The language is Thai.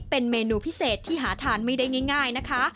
เป็นเมนูพิเศษที่หาทานไม่ได้ง่ายนะคะ